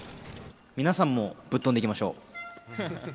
皆さんもぶっ飛んでいきましょう。